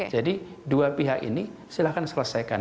jadi dua pihak ini silakan selesaikan